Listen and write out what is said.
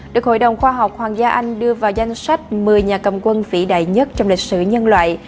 được hội đồng khoa học hoàng gia anh đưa vào danh sách một mươi nhà cầm quân vĩ đại nhất trong lịch sử nhân loại